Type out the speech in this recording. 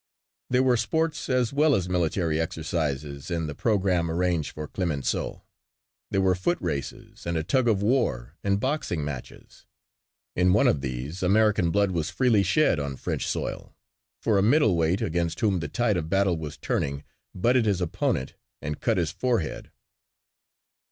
There were sports as well as military exercises in the program arranged for Clemenceau. There were footraces and a tug of war and boxing matches. In one of these American blood was freely shed on French soil for a middleweight against whom the tide of battle was turning butted his opponent and cut his forehead.